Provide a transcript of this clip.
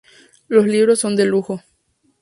Los libros son de lujo.